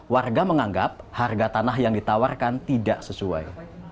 warga menganggap harga tanah yang ditawarkan tidak sesuai